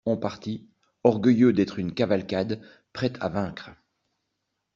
On partit, orgueilleux d'être une cavalcade prête à vaincre.